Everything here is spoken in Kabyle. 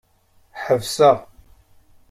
Ḥebseɣ.